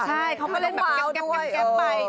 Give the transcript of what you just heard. ใช่เขามาเล่นแบบแก๊ปไป